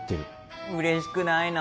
うれしくないな。